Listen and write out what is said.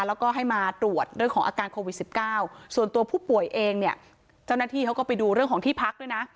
แล้วก็ให้มาตรวจเรื่องของอาการโควิด๑๙ส่วนตัวผู้ป่วยเองเนี่ยเจ้าหน้าที่เขาก็ไปดูเรื่องของที่พักด้วยนะ